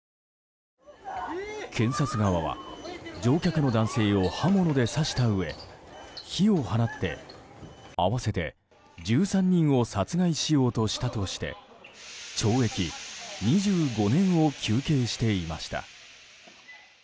検察側は乗客の男性を刃物で刺したうえ火を放って、合わせて１３人を殺害しようとしたとして懲役２５年を求刑していました。